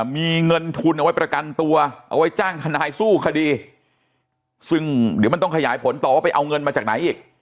มีเงินทุนเอาไว้ประกันตัวเอาไว้จ้างทนายสู้คดีซึ่งเดี๋ยวมันต้องขยายผลต่อว่าไปเอาเงินมาจากไหนอีก